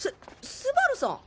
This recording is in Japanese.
す昴さん！？